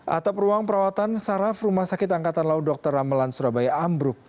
atap ruang perawatan saraf rumah sakit angkatan laut dr ramelan surabaya ambruk